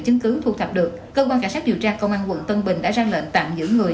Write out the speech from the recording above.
chứng cứ thu thập được cơ quan cảnh sát điều tra công an quận tân bình đã ra lệnh tạm giữ người